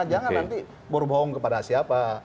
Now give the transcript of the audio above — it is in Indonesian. jangan nanti bor bohong kepada siapa